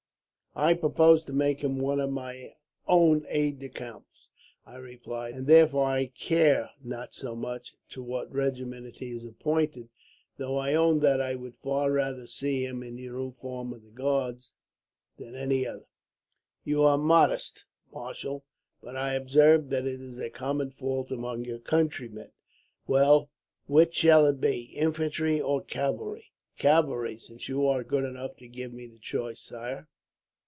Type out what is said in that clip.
"'I propose to make him one of my own aides de camp,' I replied, 'and therefore I care not so much to what regiment he is appointed; though I own that I would far rather see him in the uniform of the guards, than any other.' "'You are modest, marshal; but I observe that it is a common fault among your countrymen. Well, which shall it be infantry or cavalry?' "'Cavalry, since you are good enough to give me the choice, sire.